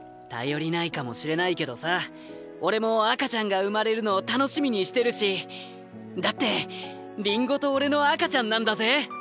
頼りないかもしれないけどさ俺も赤ちゃんが生まれるのを楽しみにしてるしだってリンゴと俺の赤ちゃんなんだぜ。